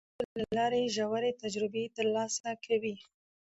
ماشومان د لوبو له لارې ژورې تجربې ترلاسه کوي